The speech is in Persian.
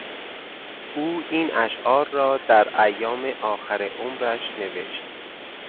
او این اشعار را در ایام آخر عمرش نوشت.